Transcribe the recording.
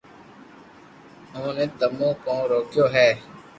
اوني تمو ڪو روڪيو ھي